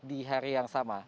di hari yang sama